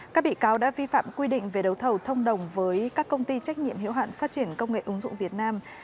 các bị cáo đã vi phạm quy định về đấu thầu thông đồng với các công ty trách nhiệm hiệu hạn phát triển công nghệ ứng dụng việt nam